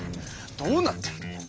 どうなってるんだ。